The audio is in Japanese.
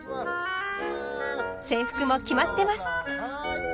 制服も決まってます！